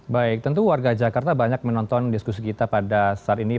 baik tentu warga jakarta banyak menonton diskusi kita pada saat ini